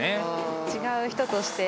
違う人として。